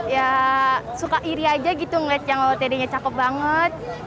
ya suka iri aja gitu ngeliat yang otd nya cakep banget